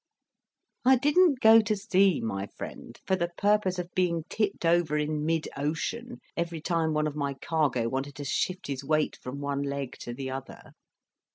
I didn't go to sea, my friend, for the purpose of being tipped over in mid ocean every time one of my cargo wanted to shift his weight from one leg to the other."